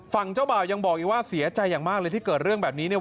เจ้าบ่าวยังบอกอีกว่าเสียใจอย่างมากเลยที่เกิดเรื่องแบบนี้เนี่ย